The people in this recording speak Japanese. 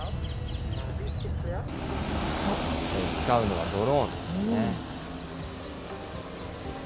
使うのはドローンですね。